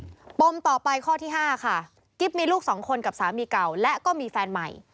ปมต่อไปข้อที่ห้าค่ะกิ๊บมีลูกสองคนกับสามีเก่าและก็มีแฟนใหม่